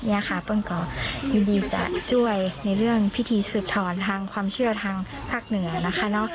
ค่ะเปิ้ลก็ยินดีจะช่วยในเรื่องพิธีสืบถอนทางความเชื่อทางภาคเหนือนะคะ